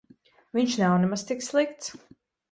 Viņš nav nemaz tik slikts.